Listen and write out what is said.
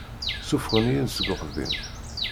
Ssufɣen-iyi-d seg uxeddim.